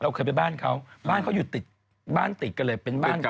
เคยไปบ้านเขาบ้านเขาอยู่ติดบ้านติดกันเลยเป็นบ้านเก่า